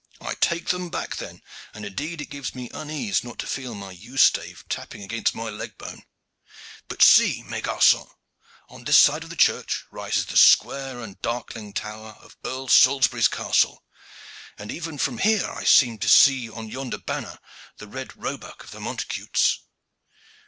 I take them back then, and indeed it gives me unease not to feel my yew stave tapping against my leg bone. But see, mes garcons, on this side of the church rises the square and darkling tower of Earl Salisbury's castle, and even from here I seem to see on yonder banner the red roebuck of the Montacutes."